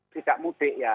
tidak mudik ya